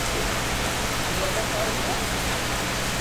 Tzemreḍ ad tɛumeḍ?